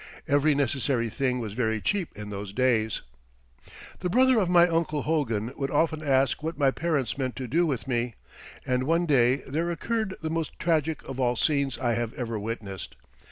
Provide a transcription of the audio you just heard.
Every necessary thing was very cheap in those days. The brother of my Uncle Hogan would often ask what my parents meant to do with me, and one day there occurred the most tragic of all scenes I have ever witnessed.